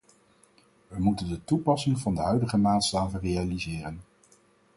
We moeten de toepassing van de huidige maatstaven realiseren.